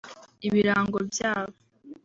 ibirango byabo